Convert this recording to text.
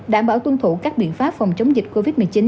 đảm bảo tuân thủ các biện pháp phòng chống dịch covid một mươi chín